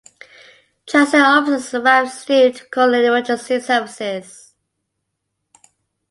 Transit officers arrived soon to call emergency services.